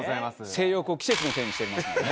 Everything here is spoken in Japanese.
性欲を季節のせいにしていますもんね。